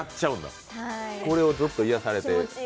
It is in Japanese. これをずっと癒やされて。